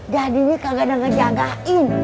dari dia kagak ngejagain